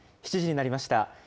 ７時になりました。